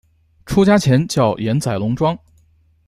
出家前叫岩仔龙庄。